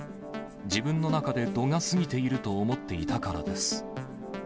自分の中で度が過ぎていると思っていたからです。